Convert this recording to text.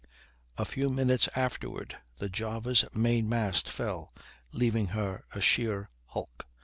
A few minutes afterward the Java's main mast fell, leaving her a sheer hulk.